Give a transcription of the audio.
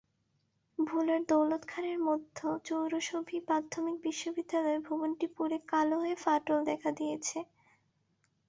ভোলার দৌলতখানের মধ্য চরশুভী প্রাথমিক বিদ্যালয় ভবনটি পুড়ে কালো হয়ে ফাটল দেখা দিয়েছে।